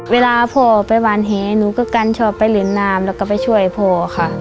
เวลาพ่อไปหวานแหหนูก็กันชอบไปเล่นน้ำแล้วก็ไปช่วยพ่อค่ะ